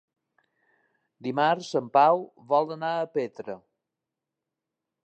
Dimarts en Pau vol anar a Petra.